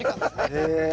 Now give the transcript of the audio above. へえ。